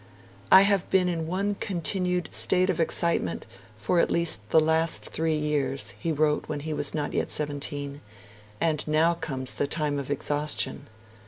'I have been in one continued state of excitement for at least the last three years,' he wrote when he was not yet seventeen, 'and now comes the time of exhaustion.'